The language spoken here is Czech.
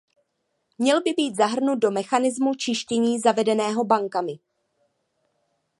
Měl by být zahrnut do mechanismu čištění zavedeného bankami?